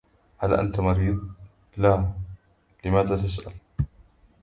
هل أنت مريض؟ "لا، لماذا تسأل؟"